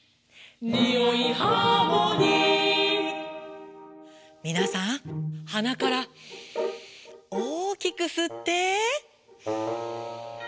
「においハーモニー」みなさんはなからおおきくすって。